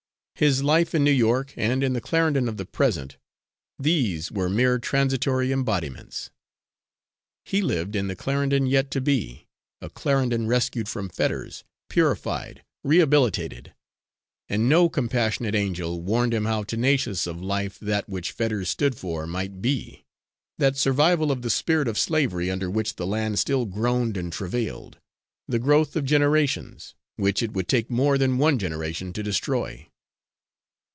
His life in New York, and in the Clarendon of the present these were mere transitory embodiments; he lived in the Clarendon yet to be, a Clarendon rescued from Fetters, purified, rehabilitated; and no compassionate angel warned him how tenacious of life that which Fetters stood for might be that survival of the spirit of slavery, under which the land still groaned and travailed the growth of generations, which it would take more than one generation to destroy.